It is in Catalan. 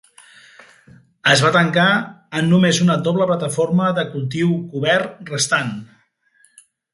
Es va tancar, amb només una doble plataforma de cultiu cobert restant.